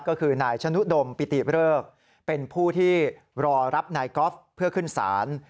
ก็คือนายชะนุดมปิติเริกเป็นผู้ที่รอรับนายกอล์ฟเพื่อขึ้นศาล